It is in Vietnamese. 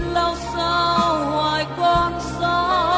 lao sao hoài quáng gió